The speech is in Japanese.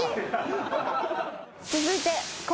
続いて。